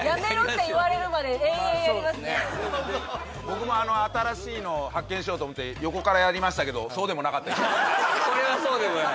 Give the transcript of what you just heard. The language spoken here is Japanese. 僕もあの新しいのを発見しようと思って横からやりましたけどこれはそうでもない